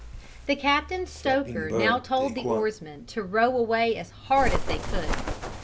The captain stoker now told the oarsmen to row away as hard as they could.